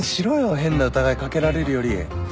変な疑い掛けられるより。